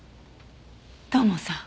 土門さん。